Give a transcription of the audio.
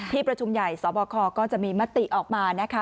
ประชุมใหญ่สบคก็จะมีมติออกมานะคะ